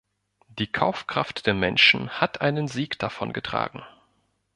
Die Kaufkraft der Menschen hat einen Sieg davongetragen.